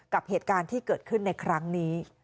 กับเหตุการณ์ที่เกิดขึ้นในครั้งนี้